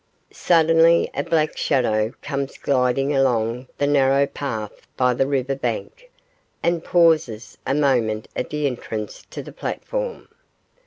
Suddenly a black shadow comes gliding along the narrow path by the river bank, and pauses a moment at the entrance to the platform.